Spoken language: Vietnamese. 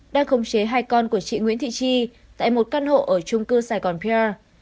đang khống chế hai con của chị nguyễn thị tri tại một căn hộ ở trung cư saigon pier